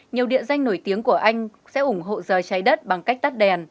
nhiều địa danh nổi tiếng của anh sẽ ủng hộ giờ trái đất bằng cách tắt đèn